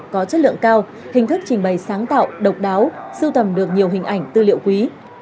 có chất lượng cao hình thức trình bày sáng tạo độc đáo sưu tầm được nhiều hình ảnh tư liệu quý